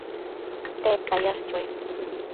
tedta yash chue?